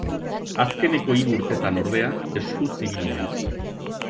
Azkenengo hiru urtetan, ordea, eskuz ibili naiz.